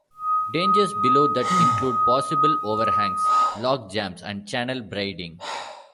Dangers below that include possible overhangs, logjams, and channel braiding.